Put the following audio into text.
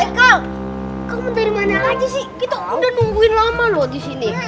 aika kamu dari mana aja sih kita udah nungguin lama loh disini